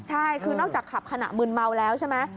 ใช่คือนอกจากขับขณะมืนเมาแล้วใช่ไหม